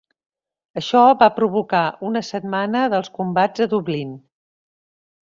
Això va provocar una setmana dels combats a Dublín.